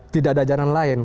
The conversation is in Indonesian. tidak ada jalan lain